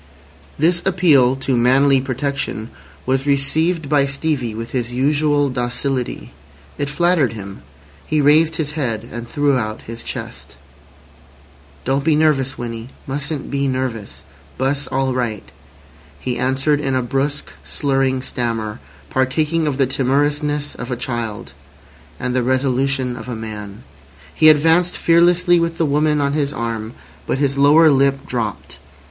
This appeal to manly protection was received by Stevie with his usual docility. It flattered him. He raised his head and threw out his chest. "Don't be nervous, Winnie. Mustn't be nervous! 'Bus all right," he answered in a brusque, slurring stammer partaking of the timorousness of a child and the resolution of a man. He advanced fearlessly with the woman on his arm, but his lower lip dropped.